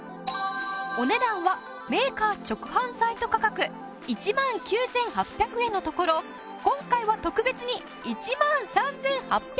お値段はメーカー直販サイト価格１万９８００円のところ今回は特別に１万３８００円！